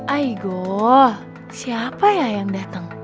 aigoo siapa ya yang dateng